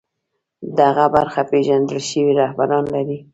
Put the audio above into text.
دغه برخه پېژندل شوي رهبران لري